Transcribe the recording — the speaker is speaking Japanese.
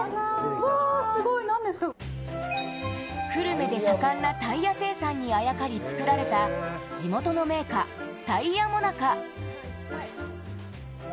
久留米で盛んなタイヤ生産にあやかり作られた、地元の銘菓・タイヤ最中。